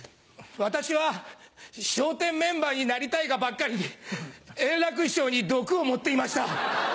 私は笑点メンバーになりたいがばっかりに円楽師匠に毒を盛っていました。